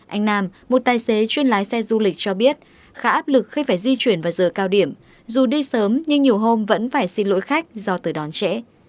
anh nam một tài xế chuyên lái xe du lịch cho biết khá áp lực khi phải di chuyển vào giờ cao điểm dù đi sớm nhưng nhiều hôm vẫn phải xin lỗi khách do tới đón trẻ